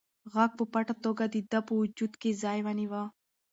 غږ په پټه توګه د ده په وجود کې ځای ونیوه.